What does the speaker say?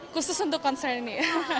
khusus untuk konser ini